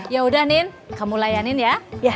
ya udah nin kamu layanin ya